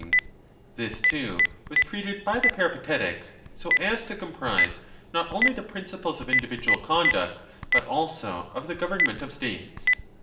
iv v this too was treated by the Peripatetics, s prise not only the principles of individual conduct but also of the government of states.